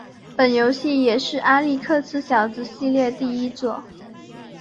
本游戏也是阿历克斯小子系列第一作。